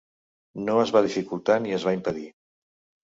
No es va dificultar ni es va impedir.